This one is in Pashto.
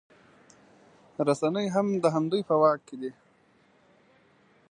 رسنۍ هم د همدوی په واک کې دي